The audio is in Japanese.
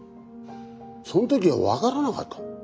そん時は分からなかった。